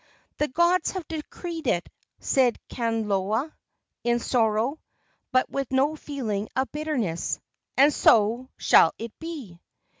"The gods have decreed it," said Kanaloa, in sorrow, but with no feeling of bitterness, "and so shall it be!"